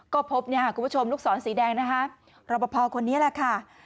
ก็พบเนี่ยค่ะคุณผู้ชมลูกศรสีแดงนะคะรอปภคนนี้แหละค่ะ